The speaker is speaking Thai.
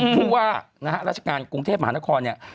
พูดว่าราชการกรุงเทพหมานครเนี่ย